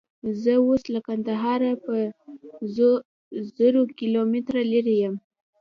زه اوس له کندهاره په زرو کیلومتره لیرې یم.